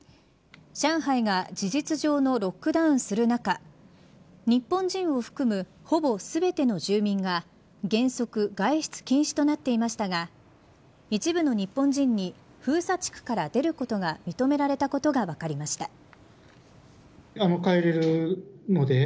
上海が事実上のロックダウンする中日本人を含む、ほぼ全ての住民が原則、外出禁止となっていましたが一部の日本人に封鎖地区から出ることが認められたことが分かりました。